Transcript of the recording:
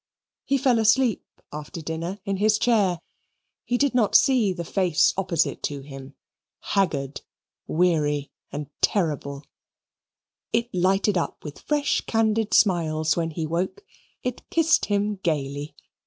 He fell asleep after dinner in his chair; he did not see the face opposite to him, haggard, weary, and terrible; it lighted up with fresh candid smiles when he woke. It kissed him gaily.